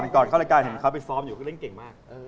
ก่อนเข้ารายการเห็นเขาไปซ้อมอยู่คือเล่นเก่งมาก